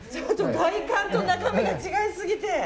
外観と中身が違いすぎて。